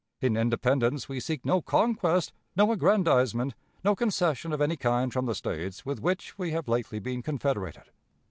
In independence we seek no conquest, no aggrandizement, no concession of any kind from the States with which we have lately been confederated.